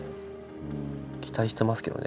期待してますけどね。